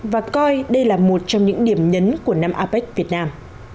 và coi đây là một trong những điểm nhấn của năm apec việt nam